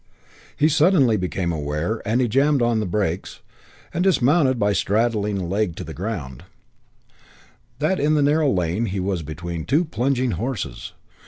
_" He suddenly became aware and he jammed on his brakes and dismounted by straddling a leg to the ground that in the narrow lane he was between two plunging horses.